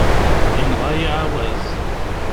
Yenɣa-yi ɛawaz.